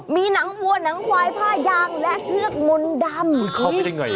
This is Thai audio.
มีหนังวัวหนังควายผ้ายางและเชือกมนต์ดำ